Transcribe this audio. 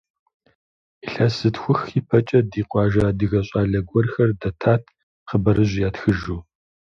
Илъэс зытхух и пэкӏэ, ди къуажэ адыгэ щӏалэ гуэрхэр дэтат хъыбарыжь ятхыжу.